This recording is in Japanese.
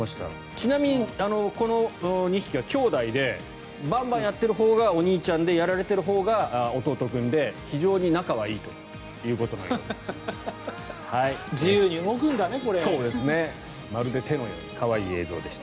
ちなみにこの２匹は兄弟でバンバンやっているほうがお兄ちゃんでやられているほうが弟君で非常に仲がいいということのようです。